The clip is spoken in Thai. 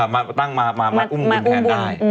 มาอุ้งบุญแทนได้